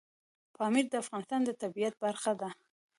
پامیر د افغانستان د طبیعت برخه ده.